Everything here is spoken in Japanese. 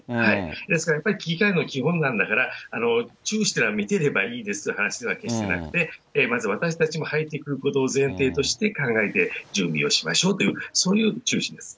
ですから、やはり危機管理の基本なんだから注視というのは見てればいいですという話では決してなくて、まず私たちも入ってくることを前提として考えて準備をしましょうという、そういう注視ですね。